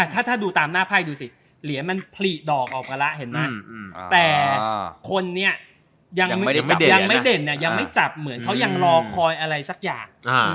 ถ้าดูตามหน้าไพ่ดูสิเหรียญมันผลิดอกออกมาแล้วเห็นไหมแต่คนนี้ยังไม่เด่นยังไม่จับเหมือนเขายังรอคอยอะไรสักอย่าง